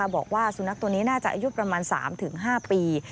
บอกว่าสุนัขตัวนี้น่าจะอายุประมาณ๓๕ปี